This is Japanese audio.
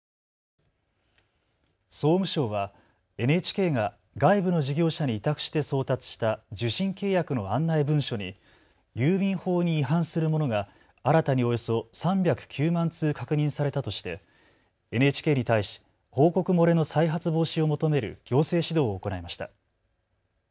総務省はＮＨＫが外部の事業者に委託して送達した受信契約の案内文書に郵便法に違反するものが新たにおよそ３０９万通、確認されたとしてＮＨＫに対し報告漏れの再発防止を求める行政指導を行いました。